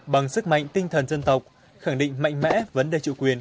bằng sức mạnh tinh thần dân tộc khẳng định mạnh mẽ vấn đề chủ quyền